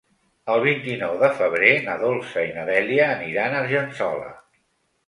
El vint-i-nou de febrer na Dolça i na Dèlia aniran a Argençola.